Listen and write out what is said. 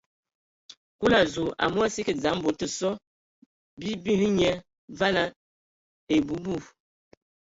Kulu a zu, amu a sə kig dzam bɔ tə so: bii bi hm nye vala ebu bu.